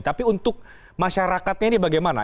tapi untuk masyarakatnya ini bagaimana